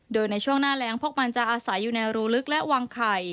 โดยในช่วงหน้าแรงพวกมันจะอาศัยอยู่ในรูลึกและวางไข่